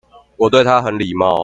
我對他很禮貌